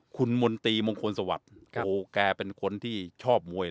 คุณมนตรีมงคลสวัสดิ์แกเป็นคนที่ชอบมวย